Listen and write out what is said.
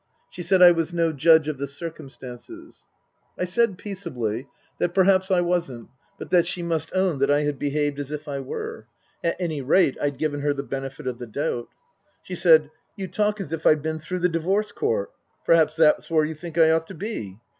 She said I was no judge of the circumstances. I said peaceably that perhaps I wasn't, but that she must own that I had behaved as if I were. At any rate I'd given her the benefit of the doubt. She said, " You talk as if I'd been through the Divorce Court. Perhaps that's where you think I ought to be.